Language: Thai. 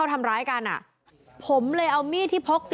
ตายหนึ่ง